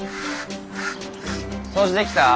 掃除できた？